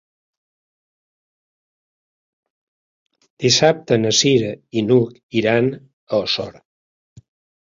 Dissabte na Cira i n'Hug iran a Osor.